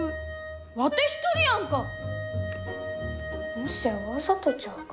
もしやわざとちゃうか？